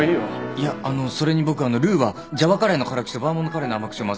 いやあのそれに僕ルーはジャワカレーの辛口とバーモントカレーの甘口を混ぜるんです。